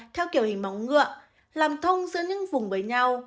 theo kiểu hình móng ngựa làm thông giữa những vùng với nhau